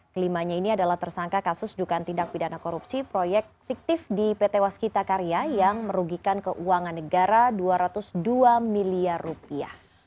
kelimanya ini adalah tersangka kasus dugaan tindak pidana korupsi proyek fiktif di pt waskita karya yang merugikan keuangan negara dua ratus dua miliar rupiah